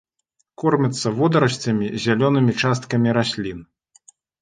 Кормяцца водарасцямі, зялёнымі часткамі раслін.